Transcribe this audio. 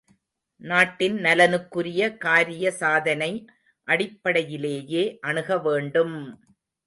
நாட்டின் நலனுக்குரிய காரிய சாதனை அடிப்படையிலேயே அணுக வேண்டும்!